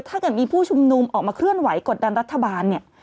ถ้าเกิดมีผู้ชุมนุมออกมาเคลื่อนไหวกดดันรัฐบาลเนี่ย